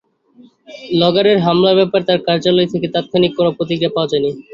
লগারের হামলার ব্যাপারে তাঁর কার্যালয় থেকে তাৎক্ষণিক কোনো প্রতিক্রিয়া পাওয়া যায়নি।